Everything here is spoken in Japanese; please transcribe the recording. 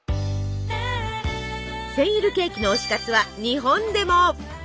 センイルケーキの推し活は日本でも。